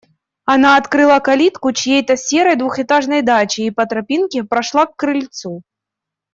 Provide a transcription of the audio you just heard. Она открыла калитку чьей-то серой двухэтажной дачи и по тропинке прошла к крыльцу.